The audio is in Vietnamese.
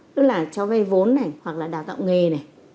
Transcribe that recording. tức là cho vay vốn này hoặc là đào tạo nghề này